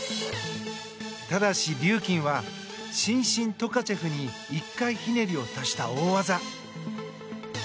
ただし、リューキンは伸身トカチェフに１回ひねりを足した大技。